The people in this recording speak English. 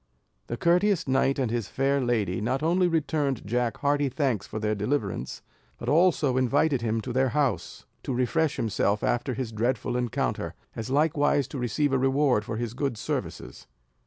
The courteous knight and his fair lady, not only returned Jack hearty thanks for their deliverance, but also invited him to their house, to refresh himself after his dreadful encounter, as likewise to receive a reward for his good services.